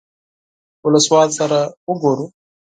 اولسوال سره وګورو.